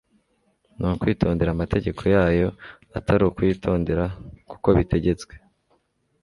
Ni ukwitondera amategeko yayo, atari ukuyitondera kuko bitegetswe,